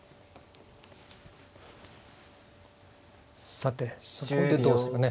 さてそこでどうするかね。